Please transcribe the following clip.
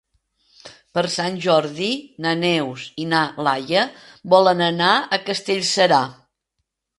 Per Sant Jordi na Neus i na Laia volen anar a Castellserà.